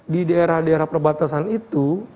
di daerah daerah perbatasan itu